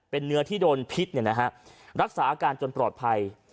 เป็นเนื้อที่โดนพิษรักษาอาการจนปลอดภัย